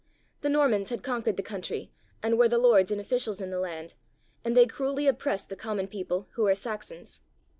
The Normans had conquered the country and were the lords and officials in the land, and they cruelly oppressed the common people, who were Saxons.